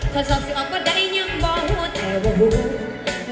ข้อสอบสิ้นออกก็ได้ยังบ่หัวแต่ว่าหู